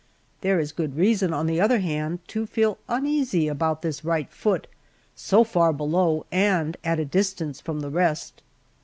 There is good reason, on the other hand, to feel uneasy about this right foot, so far below and at a distance from the rest."